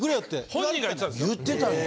本人が言ってたんですよ。